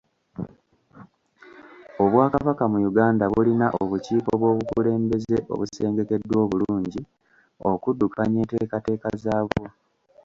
Obwakabaka mu Uganda bulina obukiiko bw'obukulembeze obusengekeddwa obulungi okuddukanya enteekateeka zaabwo.